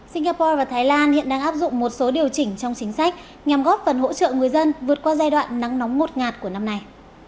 singapore và thái lan hiện đang áp dụng một số điều chỉnh trong chính sách nhằm góp phần hỗ trợ người dân vượt qua giai đoạn nắng nóng ngột ngạt của năm nay